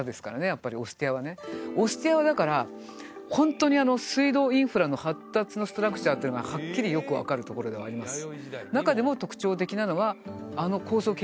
やっぱりオスティアはねオスティアはだからホントに水道インフラの発達のストラクチャーっていうのがはっきりよく分かるところではあります